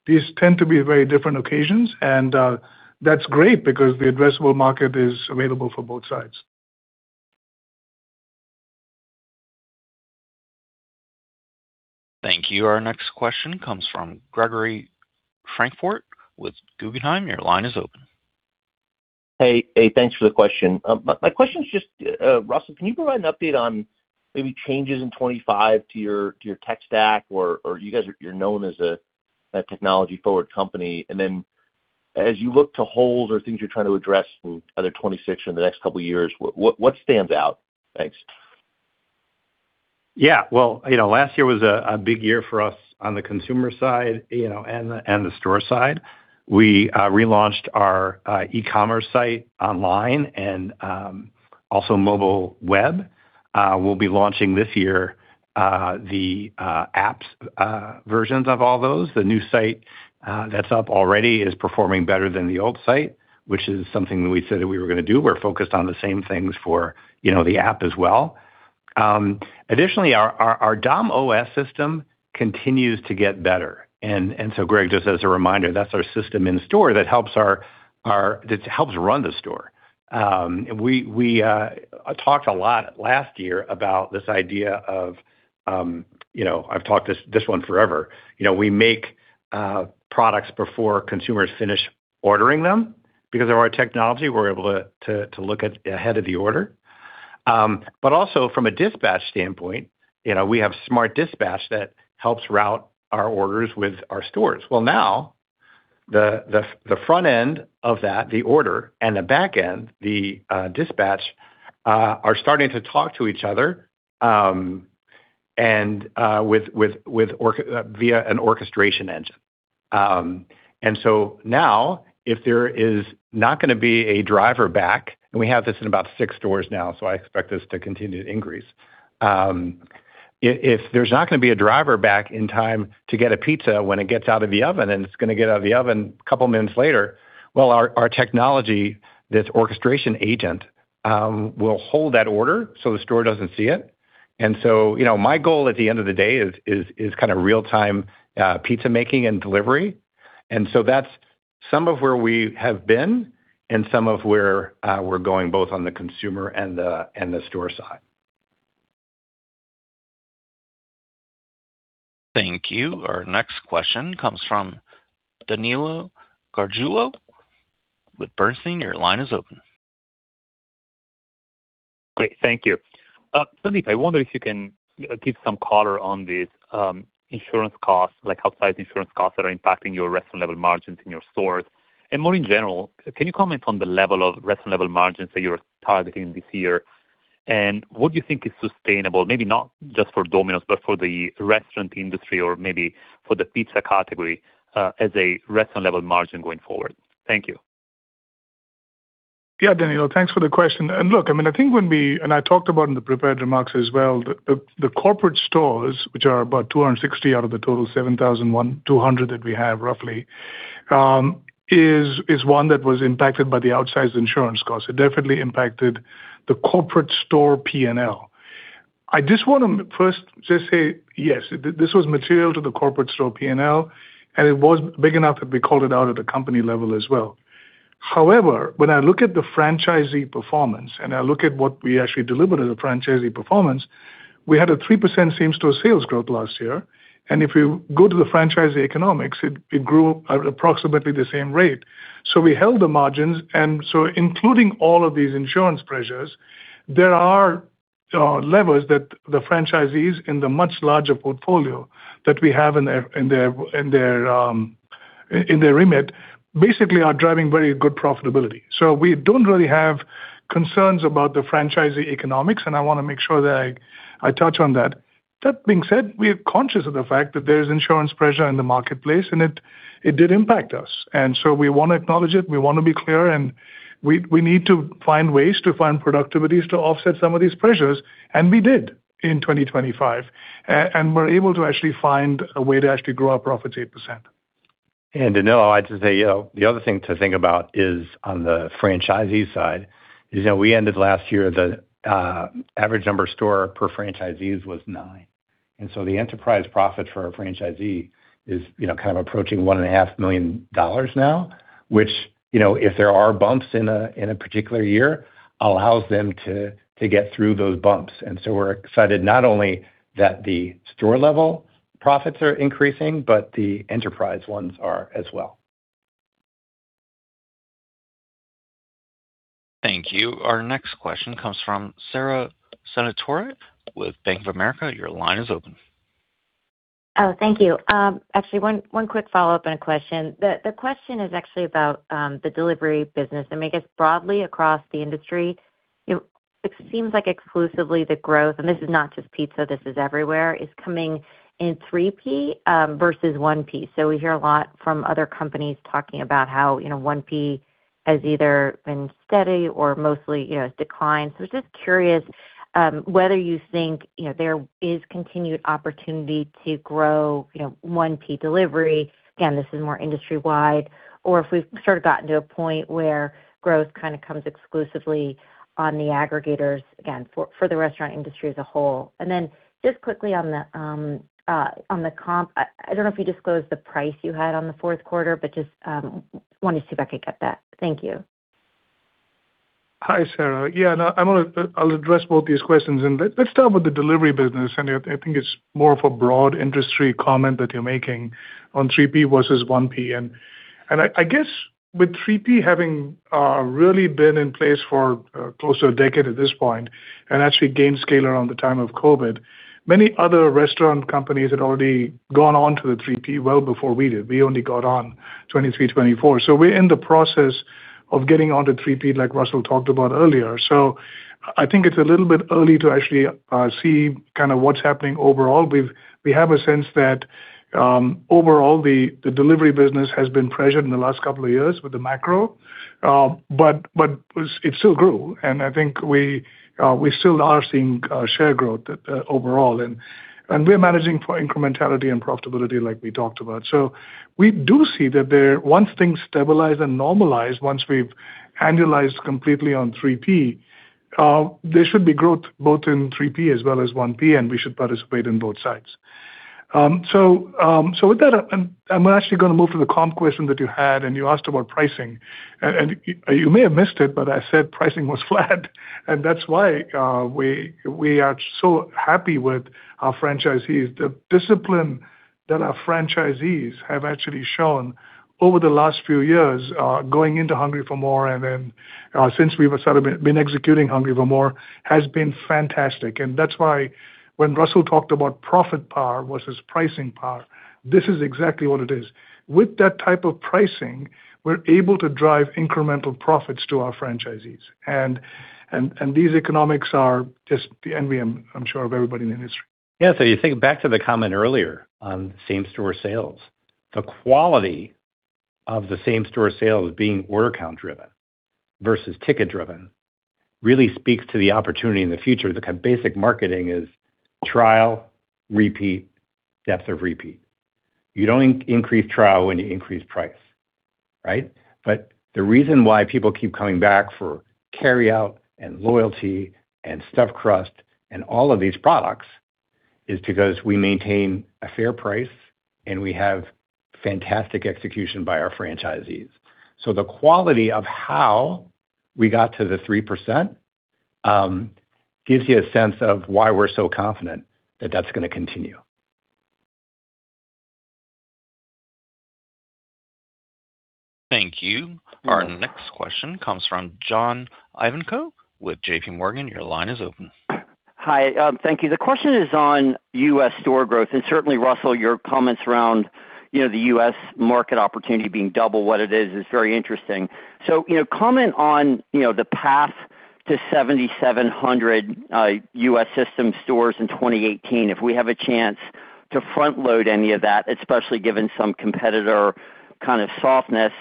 These tend to be very different occasions, and that's great because the addressable market is available for both sides. Thank you. Our next question comes from Gregory Francfort with Guggenheim. Your line is open. Hey, hey, thanks for the question. My, my question is just, Russell, can you provide an update on maybe changes in 2025 to your, to your tech stack or, or you guys, you're known as a, a technology-forward company. Then as you look to holes or things you're trying to address in either 2026 or in the next couple of years, what, what stands out? Thanks. Yeah, well, you know, last year was a big year for us on the consumer side, you know, and the store side. We relaunched our e-commerce site online and also mobile web. We'll be launching this year the apps versions of all those. The new site that's up already is performing better than the old site, which is something that we said that we were gonna do. We're focused on the same things for, you know, the app as well. Additionally, our Dom.OS system continues to get better. So, Greg, just as a reminder, that's our system in store that helps our that helps run the store. We talked a lot last year about this idea of, you know, I've talked this one forever. You know, we make products before consumers finish ordering them. Because of our technology, we're able to, look at ahead of the order. Also from a dispatch standpoint, you know, we have smart dispatch that helps route our orders with our stores. Well, now, the front end of that, the order, and the back end, the dispatch, are starting to talk to each other, and with, via an orchestration engine. So now, if there is not gonna be a driver back, and we have this in about six stores now, so I expect this to continue to increase. If there's not gonna be a driver back in time to get a pizza when it gets out of the oven, and it's gonna get out of the oven a couple of minutes later, well, our, our technology, this orchestration agent, will hold that order, so the store doesn't see it. You know, my goal at the end of the day is, kind of real-time pizza making and delivery. That's some of where we have been and some of where we're going, both on the consumer and the, and the store side. Thank you. Our next question comes from Danilo Gargiulo with Bernstein. Your line is open. Great. Thank you. Sandeep, I wonder if you can give some color on the insurance costs, like outside insurance costs, that are impacting your restaurant level margins in your stores. More in general, can you comment on the level of restaurant level margins that you're targeting this year? What do you think is sustainable, maybe not just for Domino's, but for the restaurant industry or maybe for the pizza category, as a restaurant level margin going forward? Thank you. Yeah, Danilo, thanks for the question. Look, I mean, I think I talked about in the prepared remarks as well, the, the, the corporate stores, which are about 260 out of the total 7,200 that we have, roughly, is, is one that was impacted by the outsized insurance costs. It definitely impacted the corporate store P&L. I just want to first just say, yes, this was material to the corporate store P&L, and it was big enough that we called it out at the company level as well. However, when I look at the franchisee performance, and I look at what we actually delivered as a franchisee performance, we had a 3% same-store sales growth last year, and if you go to the franchisee economics, it, it grew at approximately the same rate. We held the margins, and so including all of these insurance pressures, there are levels that the franchisees in the much larger portfolio that we have in their, in their, in their, in their remit, basically are driving very good profitability. We don't really have concerns about the franchisee economics, and I want to make sure that I, I touch on that. That being said, we are conscious of the fact that there's insurance pressure in the marketplace, and it, it did impact us, and so we want to acknowledge it, we want to be clear, and we, we need to find ways to find productivities to offset some of these pressures, and we did in 2025. We're able to actually find a way to actually grow our profits 8%. To know, I'd just say, you know, the other thing to think about is on the franchisee side, is that we ended last year, the average number store per franchisees was nine. So the enterprise profit for our franchisee is, you know, kind of approaching $1.5 million now, which, you know, if there are bumps in a, in a particular year, allows them to, to get through those bumps. So we're excited not only that the store-level profits are increasing, but the enterprise ones are as well. Thank you. Our next question comes from Sara Senatore with Bank of America. Your line is open. Oh, thank you. Actually, one, one quick follow-up and a question. The, the question is actually about the delivery business. I mean, I guess broadly across the industry, you know, it seems like exclusively the growth, and this is not just pizza, this is everywhere, is coming in 3P versus 1P. We hear a lot from other companies talking about how, you know, 1P has either been steady or mostly, you know, declined. I'm just curious whether you think, you know, there is continued opportunity to grow, you know, 1P delivery, again, this is more industry-wide, or if we've sort of gotten to a point where growth kind of comes exclusively on the aggregators, again, for, for the restaurant industry as a whole. Just quickly on the on the comp, I, I don't know if you disclosed the price you had on the fourth quarter, but just wanted to see if I could get that. Thank you. Hi, Sara. Yeah, I'll address both these questions. Let's start with the delivery business, I think it's more of a broad industry comment that you're making on 3P versus 1P. I guess with 3P having really been in place for close to a decade at this point and actually gained scale around the time of COVID, many other restaurant companies had already gone on to the 3P well before we did. We only got on 2023, 2024. We're in the process of getting onto 3P, like Russell talked about earlier. I think it's a little bit early to actually see kind of what's happening overall. We have a sense that overall, the delivery business has been pressured in the last couple of years with the macro, but it still grew, and I think we still are seeing share growth overall. We're managing for incrementality and profitability like we talked about. We do see that there, once things stabilize and normalize, once we've annualized completely on 3P, there should be growth both in 3P as well as 1P, and we should participate in both sides. With that, I'm actually gonna move to the comp question that you had, and you asked about pricing. You may have missed it, but I said pricing was flat. That's why we are so happy with our franchisees. The discipline that our franchisees have actually shown over the last few years, going into Hungry for MORE and then, since we've been executing Hungry for MORE, has been fantastic. That's why when Russell talked about profit power versus pricing power, this is exactly what it is. With that type of pricing, we're able to drive incremental profits to our franchisees. These economics are just the envy, I'm, I'm sure, of everybody in the industry. You think back to the comment earlier on same-store sales. The quality of the same-store sales being order count driven versus ticket driven, really speaks to the opportunity in the future. The basic marketing is trial, repeat, depth of repeat. You don't increase trial when you increase price, right? The reason why people keep coming back for carryout and loyalty and Stuffed Crust and all of these products, is because we maintain a fair price, and we have fantastic execution by our franchisees. The quality of how we got to the 3%, gives you a sense of why we're so confident that that's gonna continue. Thank you. Our next question comes from John Ivankoe with J.P. Morgan. Your line is open. Hi, thank you. The question is on U.S. store growth, certainly, Russell, your comments around, you know, the U.S. market opportunity being double what it is, is very interesting. You know, comment on, you know, the path to 7,700 U.S. system stores in 2018. If we have a chance to front load any of that, especially given some competitor kind of softness,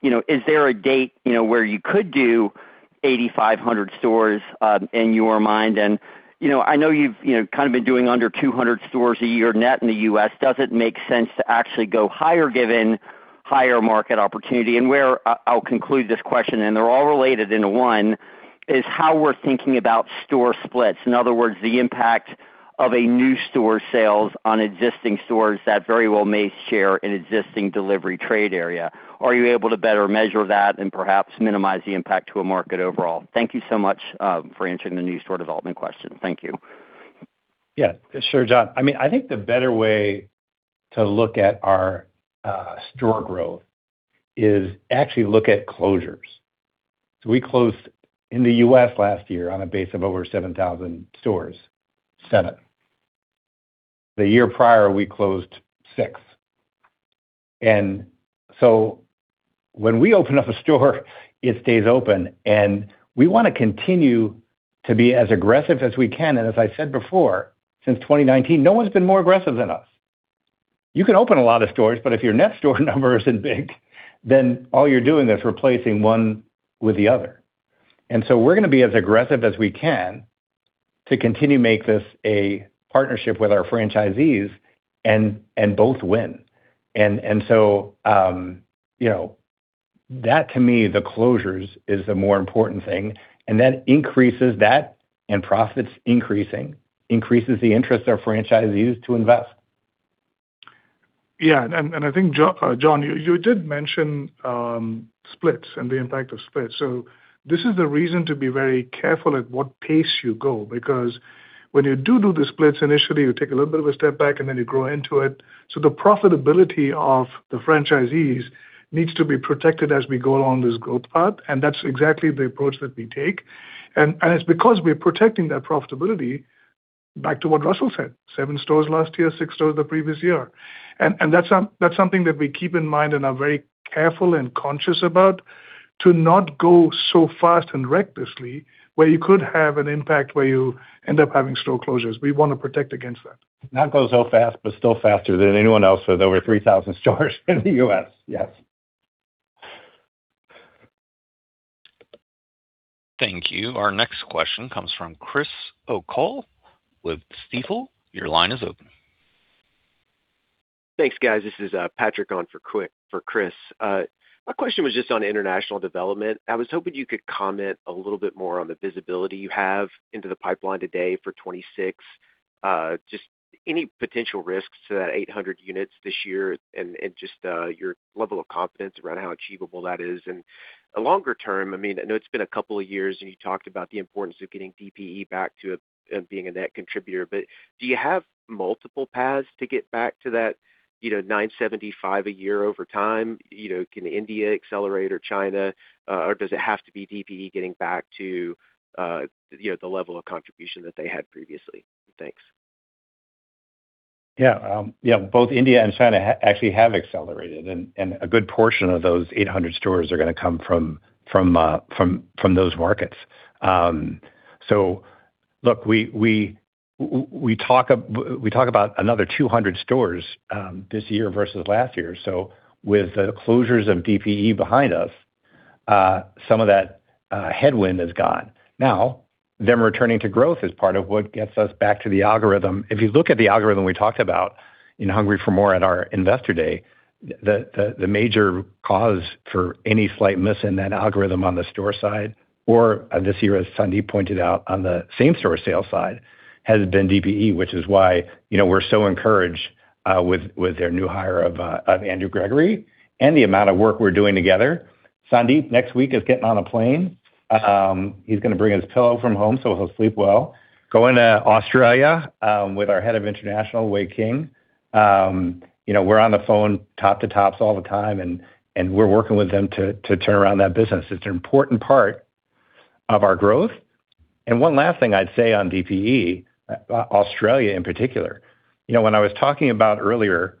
you know, is there a date, you know, where you could do 8,500 stores in your mind? You know, I know you've, you know, kind of been doing under 200 stores a year net in the U.S. Does it make sense to actually go higher, given higher market opportunity? Where... I'll conclude this question, and they're all related into one, is how we're thinking about store splits. In other words, the impact of a new store sales on existing stores that very well may share an existing delivery trade area. Are you able to better measure that and perhaps minimize the impact to a market overall? Thank you so much, for answering the new store development question. Thank you. Yeah, sure, John. I mean, I think the better way to look at our store growth is actually look at closures. We closed in the U.S. last year on a base of over 7,000 stores, seven. The year prior, we closed six. When we open up a store, it stays open, and we wanna continue to be as aggressive as we can. As I said before, since 2019, no one's been more aggressive than us. You can open a lot of stores, but if your net store number isn't big, then all you're doing is replacing one with the other. We're gonna be as aggressive as we can to continue to make this a partnership with our franchisees and, and both win. And so, you know, that, to me, the closures is the more important thing, and that increases that, and profits increasing, increases the interest of franchisees to invest. I think, John, you did mention splits and the impact of splits. This is the reason to be very careful at what pace you go, because when you do do the splits, initially, you take a little bit of a step back, and then you grow into it. The profitability of the franchisees needs to be protected as we go along this growth path, and that's exactly the approach that we take. It's because we're protecting that profitability, back to what Russell said, seven stores last year, six stores the previous year. That's something that we keep in mind and are very careful and conscious about, to not go so fast and recklessly, where you could have an impact, where you end up having store closures. We want to protect against that. Not go so fast, but still faster than anyone else with over 3,000 stores in the U.S. Yes. Thank you. Our next question comes from Chris O'Cull with Stifel. Your line is open. Thanks, guys. This is Patrick on for Chris. My question was just on international development. I was hoping you could comment a little bit more on the visibility you have into the pipeline today for 2026. Just any potential risks to that 800 units this year and your level of confidence around how achievable that is. Longer term, I mean, I know it's been a couple of years, and you talked about the importance of getting DPE back to being a net contributor, but do you have multiple paths to get back to that, you know, 975 a year over time? You know, can India accelerate or China, or does it have to be DPE getting back to, you know, the level of contribution that they had previously? Thanks. Yeah, both India and China actually have accelerated, a good portion of those 800 stores are gonna come from, from, from those markets. Look, we, we talk about another 200 stores this year versus last year. With the closures of DPE behind us, some of that headwind is gone. Them returning to growth is part of what gets us back to the algorithm. If you look at the algorithm we talked about in Hungry for MORE at our Investor Day, the major cause for any slight miss in that algorithm on the store side, or this year, as Sandeep pointed out, on the same-store sales side, has been DPE, which is why, you know, we're so encouraged, with their new hire of Andrew Gregory and the amount of work we're doing together. Sandeep, next week, is getting on a plane. He's gonna bring his pillow from home, so he'll sleep well. Going to Australia, with our Head of International, Weiking. You know, we're on the phone, top to tops all the time, and, and we're working with them to, to turn around that business. It's an important part of our growth. One last thing I'd say on DPE, Australia in particular, you know, when I was talking about earlier,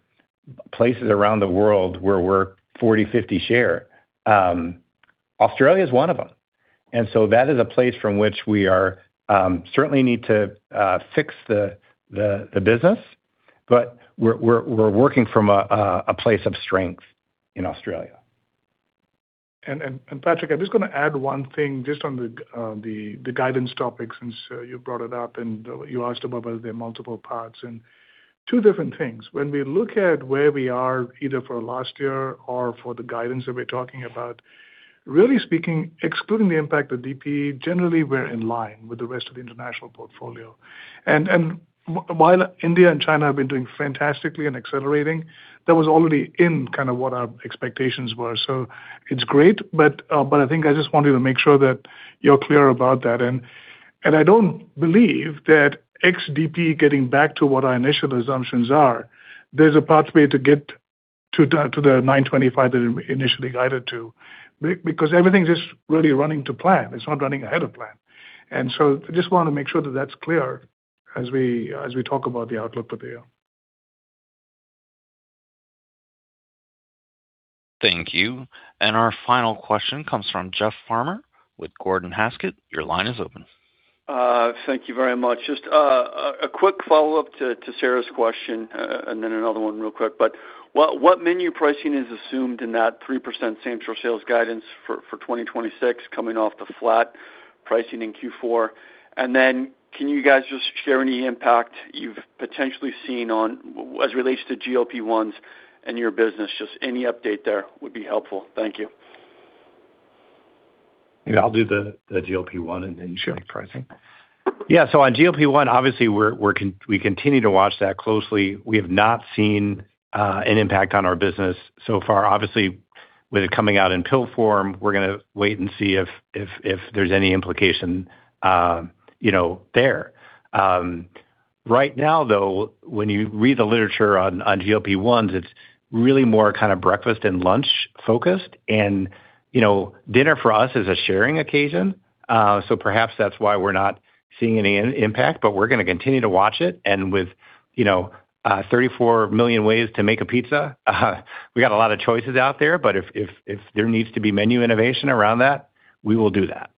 places around the world where we're 40, 50 share, Australia is one of them. So that is a place from which we are, certainly need to fix the, the, the business, but we're, we're, we're working from a place of strength in Australia. Patrick, I'm just gonna add one thing just on the, the guidance topic, since you brought it up and you asked about whether there are multiple parts and two different things. When we look at where we are, either for last year or for the guidance that we're talking about, really speaking, excluding the impact of DPE, generally, we're in line with the rest of the international portfolio. While India and China have been doing fantastically and accelerating, that was already in kind of what our expectations were. It's great, but, but I think I just wanted to make sure that you're clear about that. I don't believe that ex DPE, getting back to what our initial assumptions are, there's a pathway to get to the 975 that we initially guided to, because everything's just really running to plan. It's not running ahead of plan. I just wanna make sure that that's clear as we talk about the outlook for the year. Thank you. Our final question comes from Jeff Farmer with Gordon Haskett. Your line is open. Thank you very much. Just a, a quick follow-up to Sara's question, another one real quick. What, what menu pricing is assumed in that 3% same-store sales guidance for 2026, coming off the flat pricing in Q4? Can you guys just share any impact you've potentially seen on... as it relates to GLP-1s in your business? Just any update there would be helpful. Thank you. Maybe I'll do the, the GLP-1 and then pricing. Yeah, on GLP-1, obviously, we're, we continue to watch that closely. We have not seen an impact on our business so far. Obviously, with it coming out in pill form, we're gonna wait and see if, if, if there's any implication, you know, there. Right now, though, when you read the literature on, on GLP-1s, it's really more kind of breakfast and lunch-focused, and, you know, dinner for us is a sharing occasion, so perhaps that's why we're not seeing any impact, but we're gonna continue to watch it. With, you know, 34 million ways to make a pizza, we got a lot of choices out there, but if, if, if there needs to be menu innovation around that, we will do that.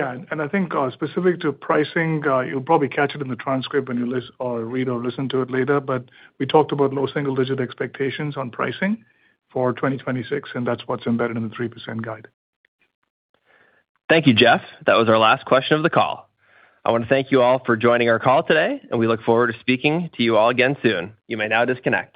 I think, specific to pricing, you'll probably catch it in the transcript when you read or listen to it later, but we talked about low single-digit expectations on pricing for 2026, and that's what's embedded in the 3% guide. Thank you, Jeff. That was our last question of the call. I wanna thank you all for joining our call today, We look forward to speaking to you all again soon. You may now disconnect.